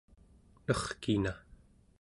nerkina